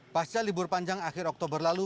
pasca libur panjang akhir oktober lalu